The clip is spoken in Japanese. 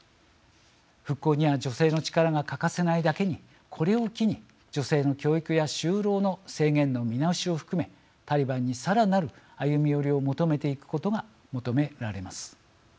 復興には女性の力が欠かせないだけにこれを機に、女性の教育や就労の制限の見直しを含めタリバンにさらなる歩み寄りを求めていくことが求められます。